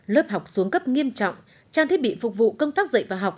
lớp học xuống cấp nghiêm trọng trang thiết bị phục vụ công tác dạy và học